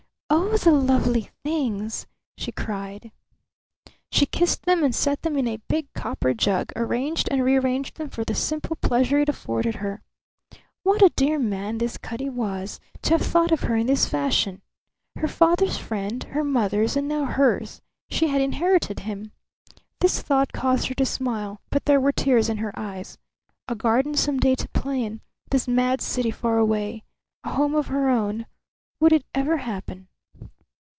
"Oh, the lovely things!" she cried. She kissed them and set them in a big copper jug, arranged and rearranged them for the simple pleasure it afforded her. What a dear man this Cutty was, to have thought of her in this fashion! Her father's friend, her mother's, and now hers; she had inherited him. This thought caused her to smile, but there were tears in her eyes. A garden some day to play in, this mad city far away, a home of her own; would it ever happen?